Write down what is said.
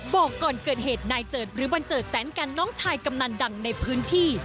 บอกก่อนเกิดเหตุนายเจิดหรือบันเจิดแสนกันน้องชายกำนันดังในพื้นที่